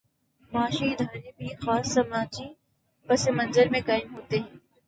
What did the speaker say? معاشی ادارے بھی خاص سماجی پس منظر میں قائم ہوتے ہیں۔